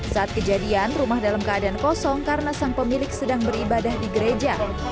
saat kejadian rumah dalam keadaan kosong karena sang pemilik sedang beribadah di gereja